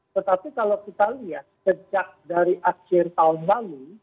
tetapi kalau kita lihat sejak dari akhir tahun lalu